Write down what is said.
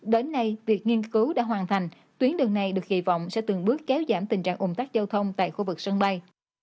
đến nay việc nghiên cứu đã hoàn thành tuyến đường này được kỳ vọng sẽ từng bước kéo giảm tình trạng ủng tắc giao thông tại khu vực sân bay